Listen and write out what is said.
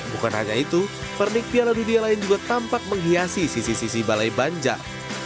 bukan hanya itu pernik piala dunia lain juga tampak menghiasi sisi sisi balai banjar